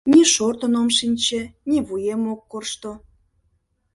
Ни шортын ом шинче, ни вуем ок коршто.